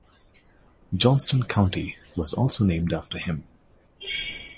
Johnston County was also named after him.